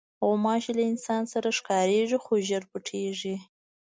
غوماشې له انسان سره ښکارېږي، خو ژر پټېږي.